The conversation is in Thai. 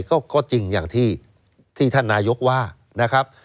ก็จริงอย่างที่ท่านนายกว่านะครับ